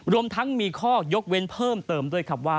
รวมทั้งมีข้อยกเว้นเพิ่มเติมด้วย